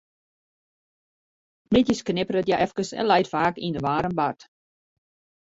Middeis knipperet hja efkes en leit faak yn in waarm bad.